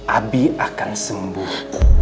abi akan sembuh